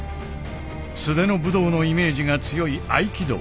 素手の武道のイメージが強い合気道。